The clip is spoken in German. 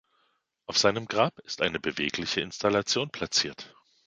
Auf seinem Grab ist eine bewegliche Installation platziert.